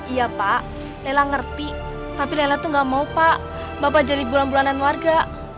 iya pak lela ngerti tapi lela itu gak mau pak bapak jadi bulan bulanan warga